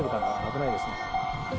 危ないですね。